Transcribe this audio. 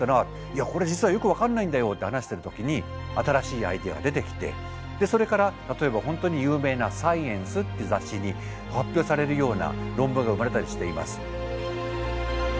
「いやこれ実はよく分かんないんだよ」って話してる時に新しいアイデアが出てきてそれから例えば本当に有名な「サイエンス」って雑誌に発表されるような論文が生まれたりしています。